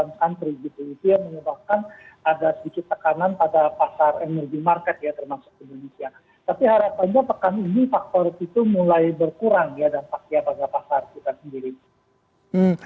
tapi harapannya pekan ini faktor itu mulai berkurang ya dampaknya pada pasar kita sendiri